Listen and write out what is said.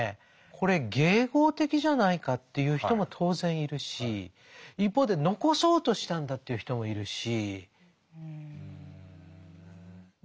これ迎合的じゃないかって言う人も当然いるし一方で残そうとしたんだと言う人もいるし。